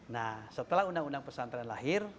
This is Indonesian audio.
nah setelah undang undang pesantren lahir